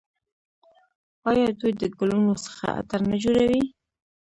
آیا دوی د ګلونو څخه عطر نه جوړوي؟